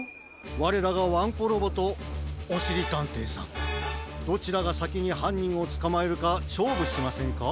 われらがワンコロボとおしりたんていさんどちらがさきにはんにんをつかまえるかしょうぶしませんか？